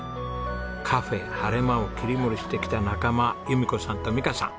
カフェはれまを切り盛りしてきた仲間由美子さんと美佳さん。